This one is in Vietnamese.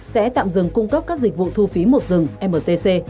sẽ tạm dừng cung cấp các dịch vụ thu phí một dừng mtc